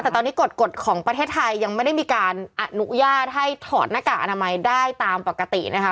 แต่ตอนนี้กฎกฎของประเทศไทยยังไม่ได้มีการอนุญาตให้ถอดหน้ากากอนามัยได้ตามปกตินะคะ